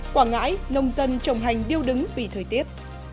quảng ngãi nông dân trồng hành điêu đứng vì thời tiết